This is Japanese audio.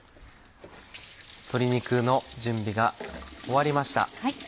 鶏肉の準備が終わりました。